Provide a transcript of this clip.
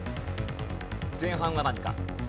前半は何か？